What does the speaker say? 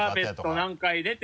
何回出て。